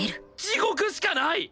地獄しかない！